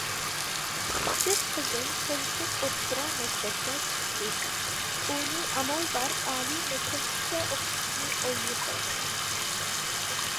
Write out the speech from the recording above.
كىچىك قىزىم تولۇقسىز ئوتتۇرا مەكتەپكە چىقتى، ئۇنى ئامال بار ئالىي مەكتەپكىچە ئوقۇتۇشنى ئويلىشىۋاتىمەن.